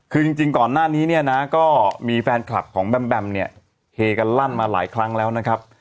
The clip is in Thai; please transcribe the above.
คือจริงก่อนหน้านี้เนี่ยนะก็มีแฟนคลับของแบมแบมเนี่ยเฮกันลั่นมาหลายครั้งแล้วนะครับ